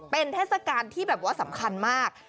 เป็นเทศการที่สำคัญมาก